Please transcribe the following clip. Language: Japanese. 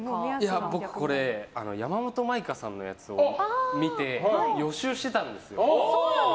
僕、山本舞香さんのやつを見て予習していたんですよ。